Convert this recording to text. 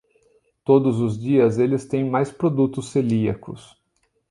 Todos os dias eles têm mais produtos celíacos.